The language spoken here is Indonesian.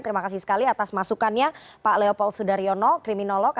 terima kasih sekali atas masukannya pak leopold sudaryono kriminolog